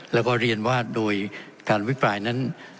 แล้วก็เรียนว่าโดยการวิปรายนั้น